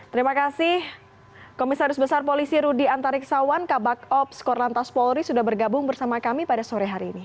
terima kasih komisaris besar polisi rudy antariksawan kabak ops korlantas polri sudah bergabung bersama kami pada sore hari ini